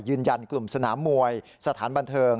ยืนยันกลุ่มสนามมวยสถานบันเทิง